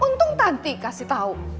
untung tanti kasih tahu